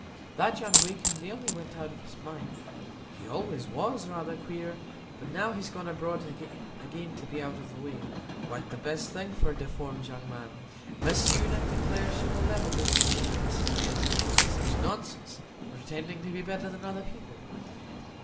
That young Wakem nearly went out of his mind; he always was rather queer; but he's gone abroad again to be out of the way,—quite the best thing for a deformed young man. Miss Unit declares she will never visit Mr and Mrs Stephen Guest,—such nonsense! pretending to be better than other people.